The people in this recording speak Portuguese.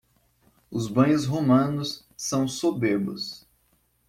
Os banhos romanos são soberbos